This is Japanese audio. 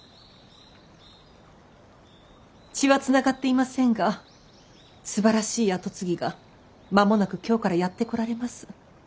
血は繋がっていませんがすばらしい跡継ぎが間もなく京からやって来られます。